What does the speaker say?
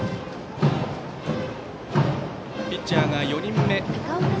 ピッチャーが４人目。